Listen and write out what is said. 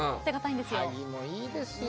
萩もいいですよ。